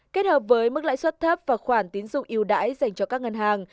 kết hợp với mức lãi suất thấp và khoản tín dụng yêu đãi dành cho các ngân hàng